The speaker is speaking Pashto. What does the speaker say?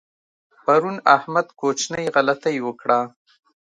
پرون احمد کوچنۍ غلطۍ وکړه.